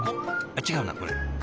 あっ違うなこれ。